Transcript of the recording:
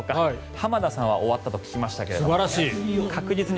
浜田さんは終わったと聞きましたが。